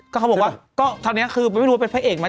ก็เขาบอกว่าก็ตอนนี้คือไม่รู้ว่าเป็นพระเอกไหม